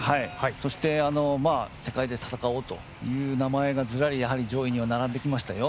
そして世界で戦おうという名前が、ずらりやはり上位には並んできましたよ。